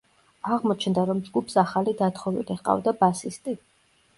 აღმოჩნდა, რომ ჯგუფს ახალი დათხოვილი ჰყავდა ბასისტი.